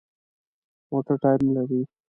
موټر ټایرونه لري.